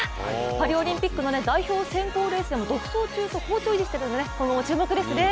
パリオリンピックの代表選考レースでも独走中と好調を維持しているので、今後も注目ですね。